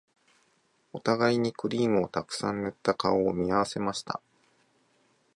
お互いにクリームをたくさん塗った顔を見合わせました